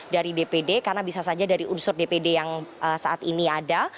dari dpd karena bisa saja dari unsur dpd yang saat ini ada